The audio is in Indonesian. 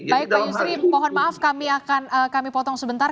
baik pak yusri mohon maaf kami akan kami potong sebentar